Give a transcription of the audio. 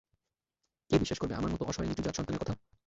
কে বিশ্বাস করবে আমার মতো অসহায় নীচু-জাত সন্তানের কথা?